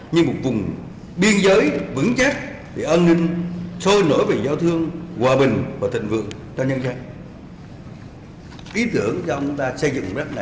như một vùng biên giới vững chắc về an ninh sôi nổi về giao thương hòa bình và thịnh vượng cho nhân dân